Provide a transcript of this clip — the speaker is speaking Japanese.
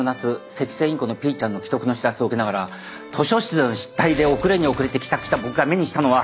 セキセイインコのぴーちゃんの危篤の知らせを受けながら図書室での失態で遅れに遅れて帰宅した僕が目にしたのは。